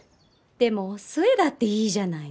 でもお寿恵だっていいじゃないの。